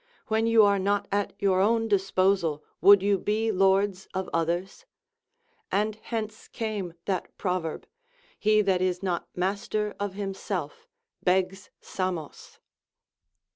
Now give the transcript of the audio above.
When you are not at your own disposal, would you be lords of others ? Ana hence came that proverb. He that is not master of himself begs Samos.